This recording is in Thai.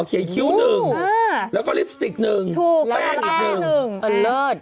อ๋อเขียนคิ้ว๑แล้วก็ลิปสติก๑แป้งอีก๑แป้งอันเลิศ